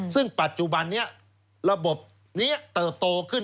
ซึ่งปัจจุบันนี้ระบบนี้เติบโตขึ้น